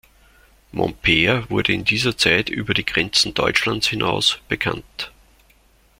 Momper wurde in dieser Zeit über die Grenzen Deutschlands hinaus bekannt.